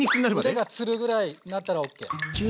腕がつるぐらいになったらＯＫ。